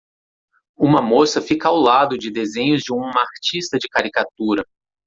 Uma moça fica ao lado de desenhos de uma artista de caricatura.